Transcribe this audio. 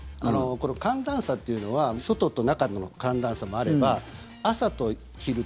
この寒暖差というのは外の中の寒暖差もあれば朝と昼。